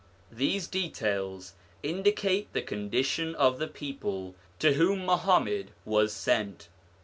These details indicate the condition of the people to whom Muhammad was sent.